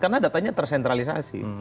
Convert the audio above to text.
karena datanya tersentralisasi